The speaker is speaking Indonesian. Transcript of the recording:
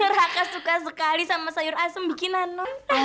raka suka sekali sama sayur asem bikinan non